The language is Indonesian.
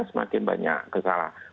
semakin banyak kesalahan